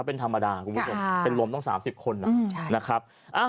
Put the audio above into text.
เป็นธรรมดาครับเป็นรวมต้อง๓๐คนนะครับ